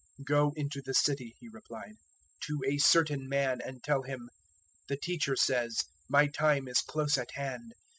026:018 "Go into the city," He replied, "to a certain man, and tell him, `The Teacher says, My time is close at hand.